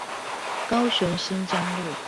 高雄新疆路